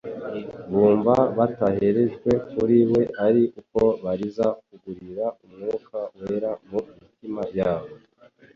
bumva batareherejwe kuri we ari uko barize kugururira Umwuka wera mu mitima yabo.